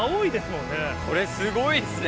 これすごいですね。